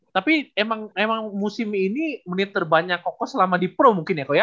tapi emang musim ini menit terbanyak kokoh selama di pro mungkin ya